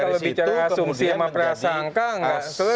iya ini kalau bicara asumsi sama perasaan angka nggak selesai